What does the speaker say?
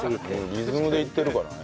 リズムでいってるからね。